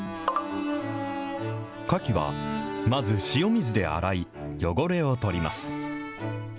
かきは、まず塩水で洗い、汚れを取ります。